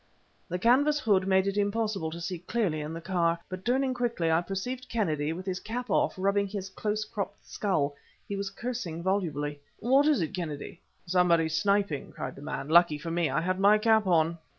The canvas hood made it impossible to see clearly in the car, but, turning quickly, I perceived Kennedy, with his cap off, rubbing his close cropped skull. He was cursing volubly. "What is it, Kennedy? "Somebody sniping!" cried the man. "Lucky for me I had my cap on!"